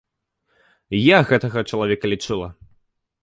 Я гэтага чалавека лячыла.